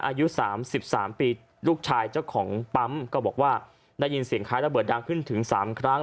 อายุ๓๓ปีลูกชายเจ้าของปั๊มก็บอกว่าได้ยินเสียงคล้ายระเบิดดังขึ้นถึง๓ครั้ง